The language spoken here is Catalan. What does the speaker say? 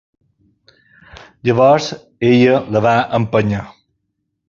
Llavors ella la va empènyer.